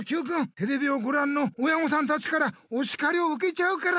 テレビをごらんの親御さんたちからおしかりをうけちゃうから！